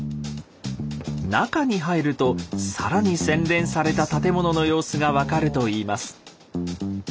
中に入ると更に洗練された建物の様子が分かるといいます。